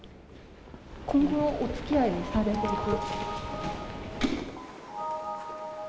今後、おつきあいをされていく？